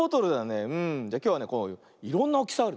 きょうはねこういろんなおおきさあるね。